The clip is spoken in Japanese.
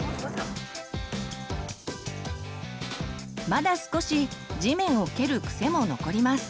まだ少し地面を蹴る癖も残ります。